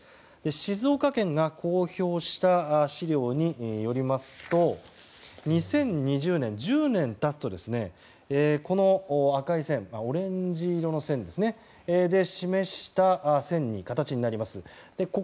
静岡県が公表した資料によりますと２０２０年、１０年経つとこのオレンジ色の線で示した形になります。